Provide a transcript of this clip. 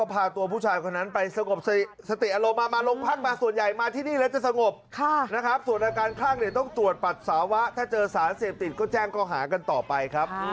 ไม่เคยเห็นไม่เคยเห็นเลย